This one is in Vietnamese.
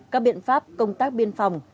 các biện pháp công tác biên phòng